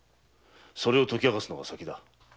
それを解き明かすのが先だ。